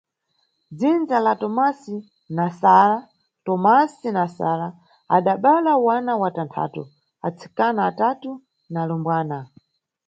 Dzindza la Tomasi na Sara Tomasi na Sara adabala wana watanthatu: atsikana atatu na alumbwana.